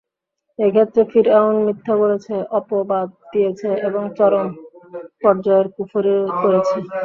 এক্ষেত্রে ফিরআউন মিথ্যা বলেছে, অপবাদ দিয়েছে এবং চরম পর্যায়ের কুফরী করেছে।